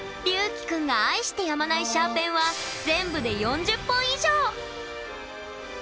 りゅうきくんが愛してやまないシャーペンは全部で４０本以上！